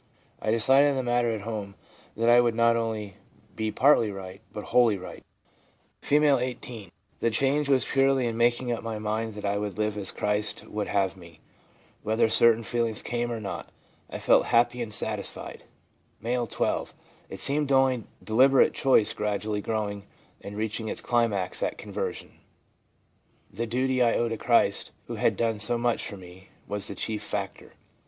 I decided the matter at home that I would not only be partly right, but wholly right/ (5.) F., 18. 'The change was purely in making up 104 THE PSYCHOLOGY OF RELIGION my mind that I would live as Christ would have me, whether certain feelings came or not I felt happy and satisfied/ M., 12. * It seemed only deliberate choice gradually growing and reaching its climax at con version. The duty I owe to Christ, who had done so much for me, was the chief factor.